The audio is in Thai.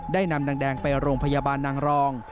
นำนางแดงไปโรงพยาบาลนางรอง